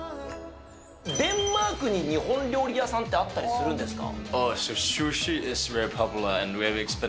デンマークに日本料理屋さんってあったりするんですか。